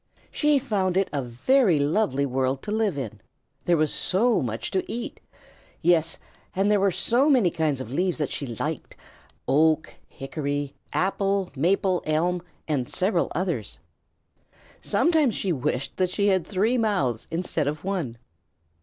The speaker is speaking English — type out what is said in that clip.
She found it a very lovely world to live in. There was so much to eat. Yes, and there were so many kinds of leaves that she liked, oak, hickory, apple, maple, elm, and several others. Sometimes she wished that she had three mouths instead of one.